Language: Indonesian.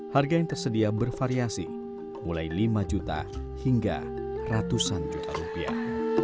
harga yang tersedia bervariasi mulai lima juta hingga ratusan juta rupiah